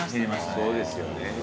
そうですよね。